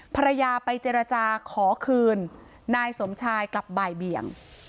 ภรรยาไปเจรจาขอคืนนายสมชายกลับบ่ายเบี่ยง